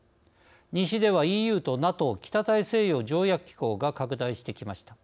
西ではＥＵとＮＡＴＯ＝北大西洋条約機構が拡大してきました。